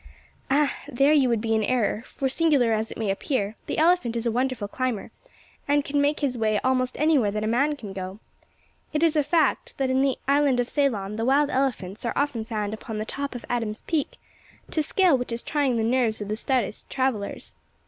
"Ah! there you would be in error: for, singular as it may appear, the elephant is a wonderful climber, and can make his way almost anywhere that a man can go. It is a fact, that in the island of Ceylon the wild elephants are often found upon the top of Adam's Peak to scale which is trying to the nerves of the stoutest travellers.